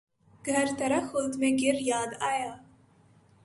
گھر ترا خلد میں گر یاد آیا